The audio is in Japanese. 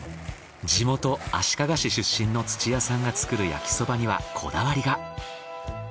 地元足利市出身の土谷さんが作る焼きそばにはこだわりが。